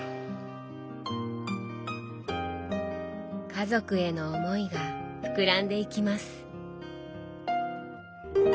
家族への思いが膨らんでいきます。